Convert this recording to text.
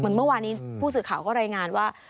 เมื่อวานนี้ผู้สื่อข่าวก็รายงานว่า